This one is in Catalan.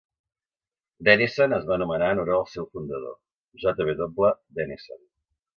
Denison es va nomenar en honor al seu fundador, J. W. Denison.